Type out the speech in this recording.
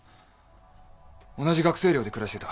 同じ学生寮で暮らしてた。